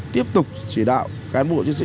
tiếp tục chỉ đạo cán bộ chính sĩ